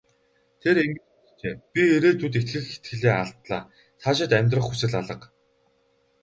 Тэр ингэж бичжээ: "Би ирээдүйд итгэх итгэлээ алдлаа. Цаашид амьдрах хүсэл алга".